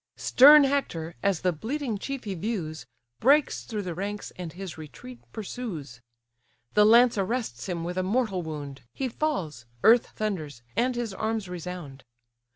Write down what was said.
Stern Hector, as the bleeding chief he views, Breaks through the ranks, and his retreat pursues: The lance arrests him with a mortal wound; He falls, earth thunders, and his arms resound.